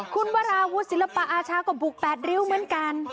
คุณวราวุฒิศิลปะอาชาก็บุก๘ริ้วเหมือนกัน